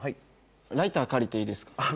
ライター借りていいですか？